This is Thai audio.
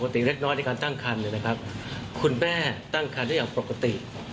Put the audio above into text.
เกินปกติเล็กน้อยในการตั้งคันคุณแม่ตั้งคันด้วยอย่างปกติ